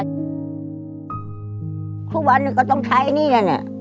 ทุกวันนึงก็ต้องใช้อันนี้นี่